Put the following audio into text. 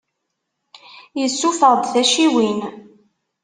Issuffeɣ-d taciwin.